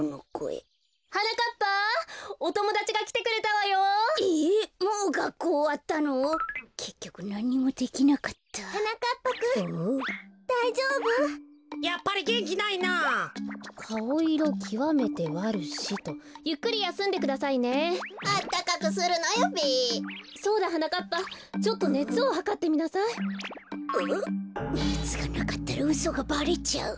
こころのこえねつがなかったらうそがばれちゃう。